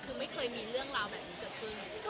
คือไม่เคยมีเรื่องราวแบบนี้เกิดขึ้น